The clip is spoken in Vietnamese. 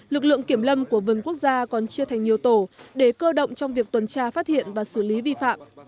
lực lượng kiểm lâm của vườn quốc gia còn chia thành nhiều tổ để cơ động trong việc tuần tra phát hiện và xử lý vi phạm